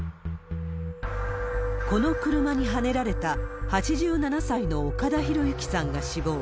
この車にはねられた８７歳の岡田博行さんが死亡。